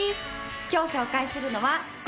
今日紹介するのはこちら。